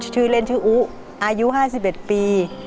ชื่อเล่นชื่ออุอายุห้าสิบเอ็ดปี